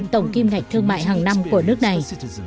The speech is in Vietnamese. tổng kim ngạch thương mại hàng năm của nước này